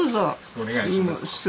お願いします。